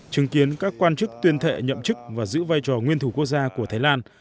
chứng kiến các quan chức tuyên thệ nhậm chức và giữ vai trò nguyên thủ quốc gia của thái lan